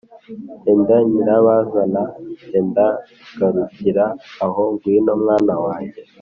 ‘enda nyirabazana, enda garukira aho ngwino mwana wanjye,